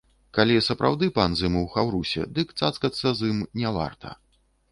Калі сапраўды пан з ім у хаўрусе, дык цацкацца з ім не варта.